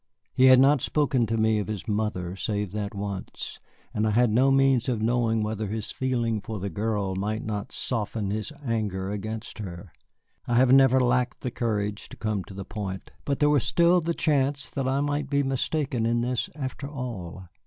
He had not spoken to me of his mother save that once, and I had no means of knowing whether his feeling for the girl might not soften his anger against her. I have never lacked the courage to come to the point, but there was still the chance that I might be mistaken in this after all.